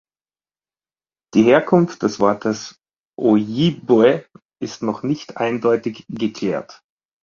Die Herkunft des Wortes ‘Ojibwe’ ist noch nicht eindeutig geklärt.